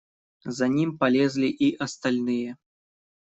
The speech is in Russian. За ним полезли и остальные.